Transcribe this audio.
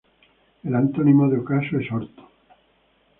El antónimo de ocaso es orto.